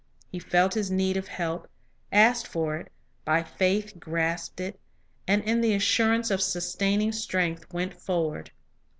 He felt his need of help, asked for it, by faith grasped it, and in the assur ance of sustaining strength went forward.